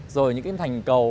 rồi những cái thành cầu